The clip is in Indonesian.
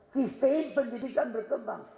kistein pendidikan berkembang